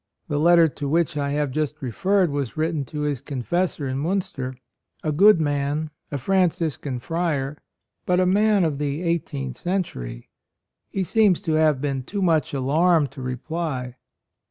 The letter to which I have just referred was written to his confessor in Miinster, — a good man, a Franciscan friar, but a man of the eighteenth century. He seems to have been too much alarmed to reply.